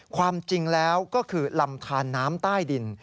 ความจริงแล้วก็คือลำทานน้ำใต้ดิน